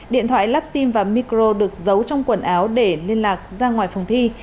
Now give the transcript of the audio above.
điện thoại lắp sim và micro được giấu trong quần áo để liên lạc ra ngoài phòng thi